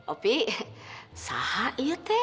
opi sa yuk teh